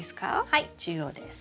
はい中央です。